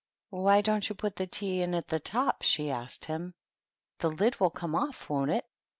"Why don't you put the tea in at the top?" 64 THE TEA TABLE. she asked him. "The lid will come oflF, won't it?"